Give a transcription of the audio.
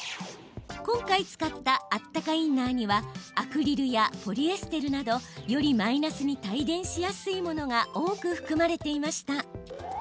今回使ったあったかインナーにはアクリルやポリエステルなどよりマイナスに帯電しやすいものが多く含まれていました。